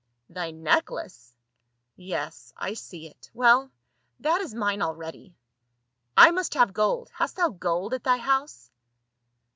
" Thy necklace ? Yes, I see it. Well, that is mine already. I must have gold; hast thou gold at thy house